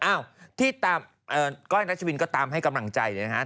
อ้าวที่ก้อยรัชวินก็ตามให้กำลังใจเลยนะฮะ